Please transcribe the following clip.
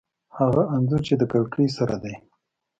هغه انځور چې د کړکۍ سره دی